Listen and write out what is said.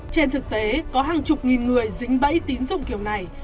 trên thực tế có hàng chục nghìn người dính bẫy tín dụng kiểu này